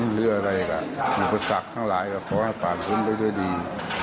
หรืออะไรกับอุปสรรคทั้งหลายก็ขอให้ผ่านพ้นไปด้วยดี